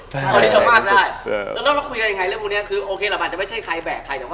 แต่ว่าเราต้องไปด้วยกันเป็นทีมอะครับ